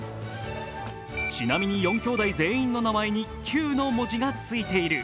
ちなみに４きょうだい全員の名前に「球」の文字がついている。